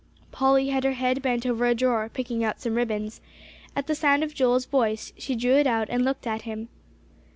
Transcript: Polly had her head bent over a drawer, picking out some ribbons. At the sound of Joel's voice she drew it out and looked at him.